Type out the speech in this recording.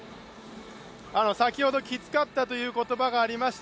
先ほど、きつかったという言葉がありました